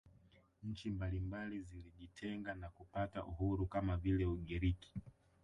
Nchi mbalimbali zilijitenga na kupata uhuru kama vile Ugiriki